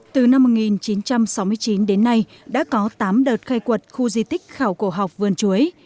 từ năm một nghìn chín trăm sáu mươi chín đến nay đã có tám đợt khai quật khu di tích khảo cổ học vườn chuối